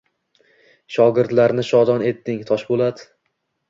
Shogirdlarni shodon etding, Toshpo‘lat.